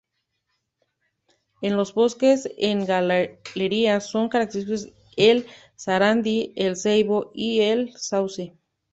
En los bosques en galería son característicos el sarandí, el ceibo y el sauce.